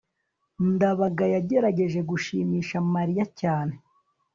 ndabaga yagerageje gushimisha mariya cyane